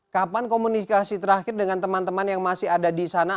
kapan komunikasi terakhir dengan teman teman yang masih ada di sana